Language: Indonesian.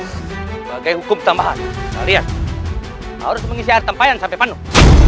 sebagai hukum tambahan saya lihat harus mengisi air tempayan sampai penuh